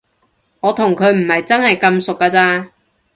我同佢唔係真係咁熟㗎咋